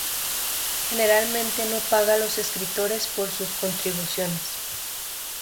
Generalmente no paga a los escritores por sus contribuciones.